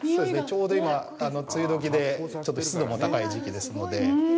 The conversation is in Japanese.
ちょうど今、梅雨どきで、ちょっと湿度も高い時期ですので。